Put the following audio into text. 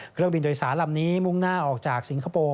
เครื่องบินโดยสารลำนี้มุ่งหน้าออกจากสิงคโปร์